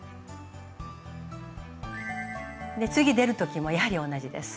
次出る時もやはり同じです。